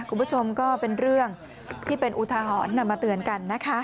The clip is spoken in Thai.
คุณผู้ชมก็เป็นเรื่องที่เป็นอุทหรณ์นำมาเตือนกันนะคะ